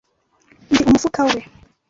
Nzi umufuka we.